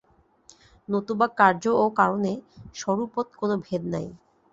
নতুবা কার্য ও কারণে স্বরূপত কোন ভেদ নাই।